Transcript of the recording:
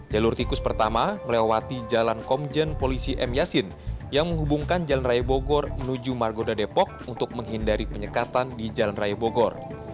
jalur tikus pertama melewati jalan komjen polisi m yasin yang menghubungkan jalan raya bogor menuju margonda depok untuk menghindari penyekatan di jalan raya bogor